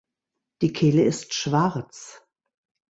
Die Kehle ist schwarz.